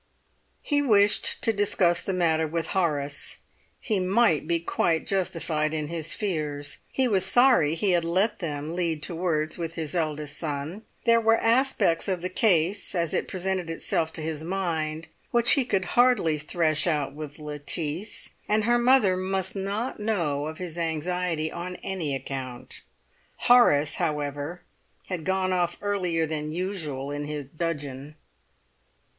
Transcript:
He wished to discuss the matter with Horace; he might be quite justified in his fears. He was sorry he had let them lead to words with his eldest son. There were aspects of the case, as it presented itself to his mind, which he could hardly thresh out with Lettice, and her mother must not know of his anxiety on any account. Horace, however, had gone off earlier than usual in his dudgeon.